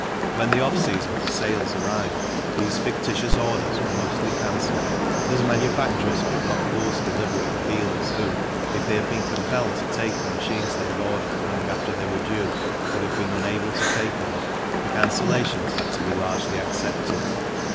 When the off season for sales arrived those fictitious orders were mostly cancelled, and as manufacturers could not force delivery on dealers who, if they had been compelled to take the machines they had ordered long after they were due, would have been unable to pay for them, the cancellations had to be largely accepted.